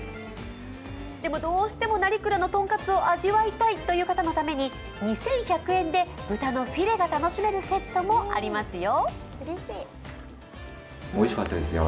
でもどうしても成蔵の豚カツを味わいたいという方のために２１００円で豚のフィレが楽しめるセットもありますよ。